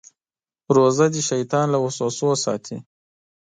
روژه د شیطان له وسوسو ساتي.